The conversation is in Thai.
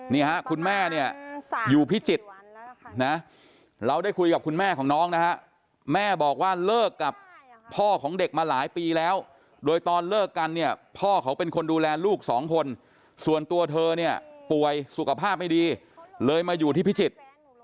นี่ฮะคุณแม่เนี่ยอยู่พิจิตรนะเราได้คุยกับคุณแม่ของน้องนะฮะแม่บอกว่าเลิกกับพ่อของเด็กมาหลายปีแล้วโดยตอนเลิกกันเนี่ยพ่อเขาเป็นคนดูแลลูกสองคนส่วนตัวเธอเนี่ยป่วยสุขภาพไม่ดีเลยมาอยู่ที่พิจิตร